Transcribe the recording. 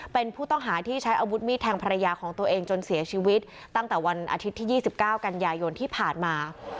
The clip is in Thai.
เป็นผู้ต้องหาที่ใช้อาวุธมีดแทงภรรยาของตัวเองจนเสียชีวิตตั้งแต่วันอาทิตย์ที่๒๙กันยายนที่ผ่านมา